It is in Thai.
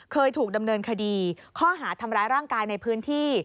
เคยถูกดำเนินคดีข้อหาทำร้ายร่างกายในพื้นที่